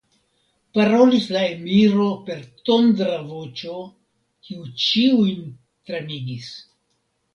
parolis la emiro per tondra voĉo, kiu ĉiujn tremigis.